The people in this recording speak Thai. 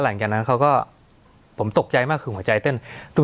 หลังจากนั้นเขาก็ผมตกใจมากคือหัวใจเต้น